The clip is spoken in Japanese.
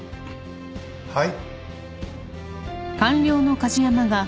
はい。